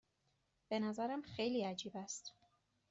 به نظرم خیلی عجیب است.